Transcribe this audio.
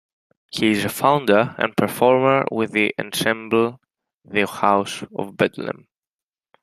He is a founder and performer with the ensemble the House of Bedlam.